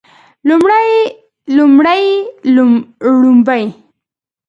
لومړی لومړۍ ړومبی